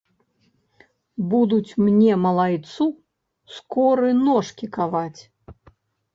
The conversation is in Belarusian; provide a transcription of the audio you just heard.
Будуць мне, малайцу, скоры ножкі каваць.